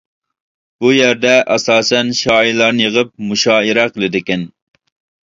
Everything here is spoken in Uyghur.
بۇ يەردە ئاساسەن شائىرلارنى يىغىپ مۇشائىرە قىلىدىكەن.